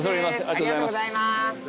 ありがとうございます。